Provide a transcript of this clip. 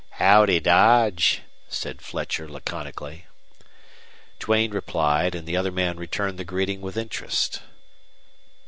"Howdy, Dodge," said Fletcher, laconically. Duane replied, and the other man returned the greeting with interest.